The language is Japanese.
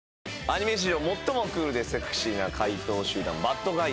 アニメ史上最もクールでセクシーな怪盗集団バッドガイズ。